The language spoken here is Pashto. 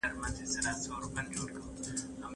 زه پرون کتابتون ته وم!!